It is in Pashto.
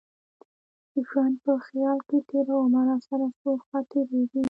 ژوند په خیال کي تېرومه راسره څو خاطرې دي